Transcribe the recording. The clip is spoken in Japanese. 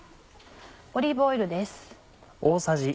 オリーブオイルです。